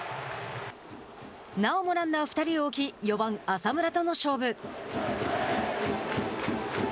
なおもランナー２人を置き４番浅村との勝負。